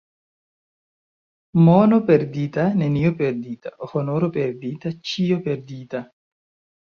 Mono perdita, nenio perdita, — honoro perdita, ĉio perdita.